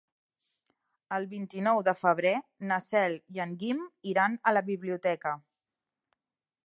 El vint-i-nou de febrer na Cel i en Guim iran a la biblioteca.